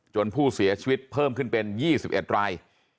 ผู้เสียชีวิตเพิ่มขึ้นเป็น๒๑ราย